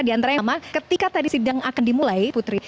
di antara yang ketika tadi sidang akan dimulai putri